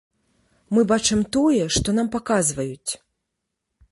Мы бачым тое, што нам паказваюць.